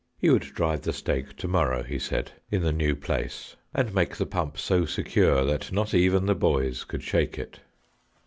He would drive the stake to morrow, he said, in the new place, and make the pump so secure that not even the boys could shake it.